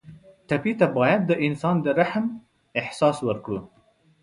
ټپي ته باید د انسان د رحم احساس ورکړو.